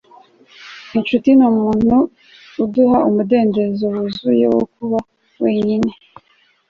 inshuti numuntu uguha umudendezo wuzuye wo kuba wenyine